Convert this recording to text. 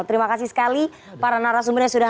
terima kasih sekali para narasumber yang sudah